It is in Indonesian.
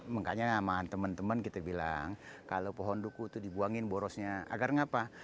makanya sama teman teman kita bilang kalau pohon duku itu dibuangin borosnya agar mengapa